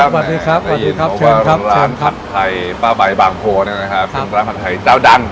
เป็นร้านปัดไว้ำนาจราวดัง